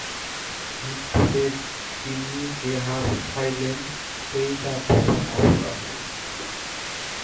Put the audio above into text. মৃত্যুতে তিনি যে হাঁফ ছাড়িলেন, সেই তাঁর প্রথম অবকাশ।